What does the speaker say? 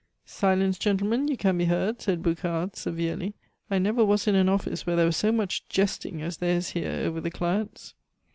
"Silence, gentlemen, you can be heard!" said Boucard severely. "I never was in an office where there was so much jesting as there is here over the clients."